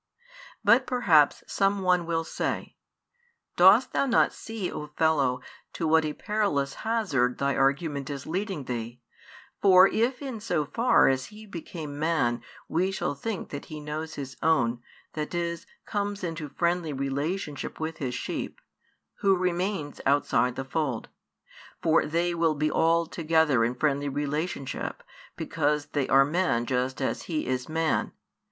But perhaps some one will say, "Dost thou not see, O fellow, to what a perilous hazard thy argument is leading thee? For if in so far as He became Man we shall think that He knows His own, that is, comes into friendly relationship with His sheep; who remains outside the fold? For they will be all together in friendly relationship, because they are men just as He is Man.